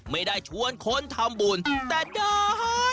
ไม่ได้ชวนคนทำบุญแต่เดิน